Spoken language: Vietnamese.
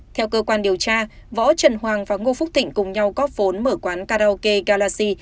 theo cơ quan điều tra võ trần hoàng và ngô phúc thịnh cùng nhau góp vốn mở quán karaoke galaxy